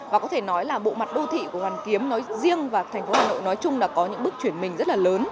và có thể nói là bộ mặt đô thị của hoàn kiếm nói riêng và thành phố hà nội nói chung là có những bước chuyển mình rất là lớn